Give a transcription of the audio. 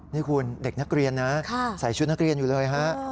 นี่คุณเด็กนักเรียนนะใส่ชุดนักเรียนอยู่เลยฮะ